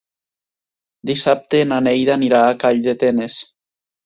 Dissabte na Neida anirà a Calldetenes.